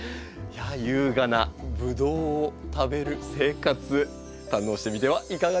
優雅なブドウを食べる生活堪能してみてはいかがでしょうか？